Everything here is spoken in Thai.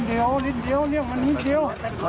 เดี๋ยวนิดเดียวเรียกมันนิดเดียว